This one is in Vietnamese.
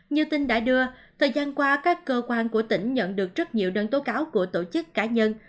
như tin đã đưa thời gian qua các cơ quan của tỉnh nhận được rất nhiều đơn tố cáo của tổ chức cá nhân